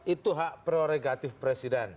itu hak proregatif presiden